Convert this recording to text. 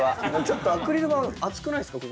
ちょっとアクリル板厚くないですか？